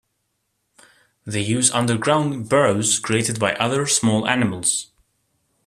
They use underground burrows created by other small animals.